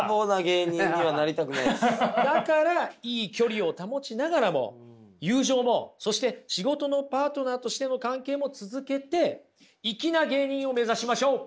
だからいい距離を保ちながらも友情もそして仕事のパートナーとしての関係も続けていきな芸人を目指しましょう。